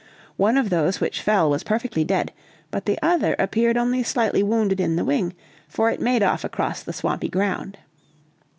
One of those which fell was perfectly dead, but the other appeared only slightly wounded in the wing, for it made off across the swampy ground.